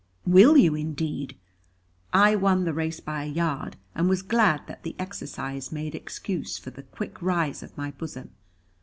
"Will you indeed?" I won the race by a yard, and was glad that the exercise made excuse for the quick rise of my bosom.